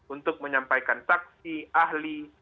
untuk menyampaikan saksi ahli